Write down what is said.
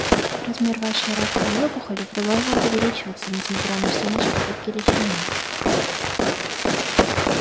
Размер вашей раковой опухоли продолжает увеличиваться несмотря на все наши попытки лечения.